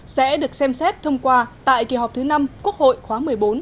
sẽ được xem xét thông qua tại kỳ họp thứ năm quốc hội khóa một mươi bốn